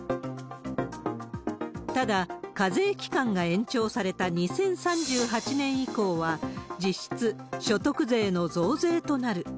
ただ、課税期間が延長された２０３８年以降は、実質所得税の増税となる。